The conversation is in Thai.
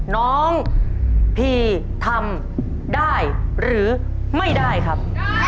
น้องพีทำได้หรือไม่ได้ครับ